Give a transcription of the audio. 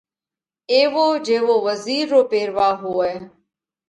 ايوو جيوو وزِير رو پيروا هوئه۔